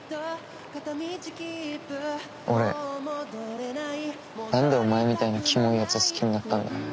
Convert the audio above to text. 俺なんでお前みたいなキモいやつ好きになったんだろう。